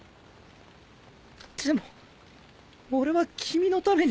でも俺は君のために。